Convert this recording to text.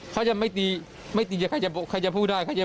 เขาจะไม่ตีไม่ตีใครจะพูดได้